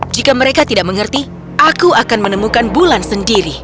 jika mereka tidak mengerti aku akan menemukan bulan sendiri